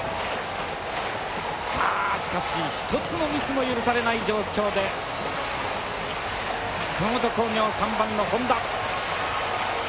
さあしかし一つのミスも許されない状況で熊本工業３番の本多。